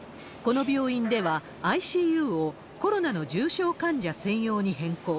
この病院では、ＩＣＵをコロナの重症患者専用に変更。